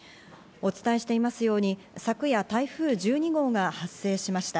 お伝えしていますように昨夜、台風１２号が発生しました。